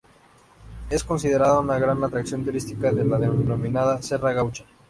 Es considerada una gran atracción turística de la denominada Serra Gaúcha.